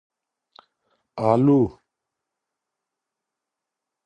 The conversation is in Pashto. الو 🦉